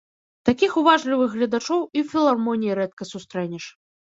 Такіх уважлівых гледачоў і ў філармоніі рэдка сустрэнеш.